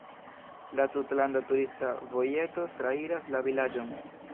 La tutlanda turista vojeto trairas la vilaĝon.